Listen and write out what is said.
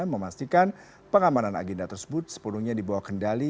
memastikan pengamanan agenda tersebut sepenuhnya dibawa kendali